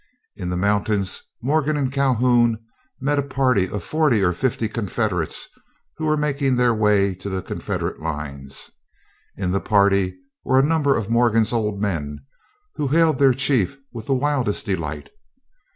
In the mountains Morgan and Calhoun met a party of forty or fifty Confederates who were making their way to the Confederate lines. In the party were a number of Morgan's old men, who hailed their chief with the wildest delight.